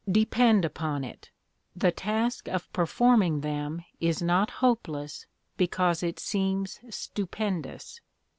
Depend upon it, the task of performing them is not hopeless because it seems stupendous.